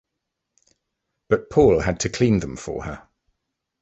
But Paul had to clean them for her.